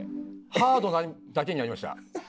ハードだけになりました。